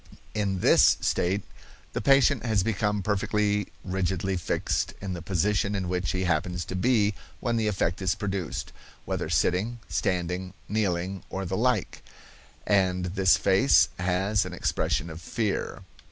In this state the patient has become perfectly rigidly fixed in the position in which he happens to be when the effect is produced, whether sitting, standing, kneeling, or the like; and this face has an expression of fear.